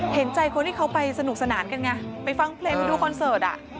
เห็นใจคนที่เขาไปสนุกสนานกันไงไปฟังเพลงไปดูคอนเสิร์ตอ่ะ